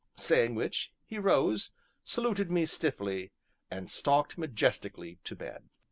Saying which, he rose, saluted me stiffly, and stalked majestically to bed.